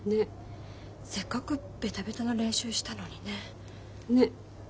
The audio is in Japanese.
せっかくベタベタの練習したのにね。ね。